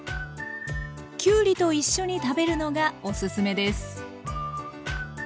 きゅうりと一緒に食べるのがおすすめです。